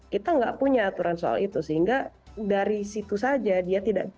kita nggak punya aturan soal itu sehingga dari situ saja dia tidak